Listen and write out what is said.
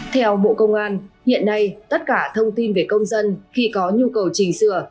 theo bộ công an hiện nay tất cả thông tin về công dân khi có nhu cầu chỉnh sửa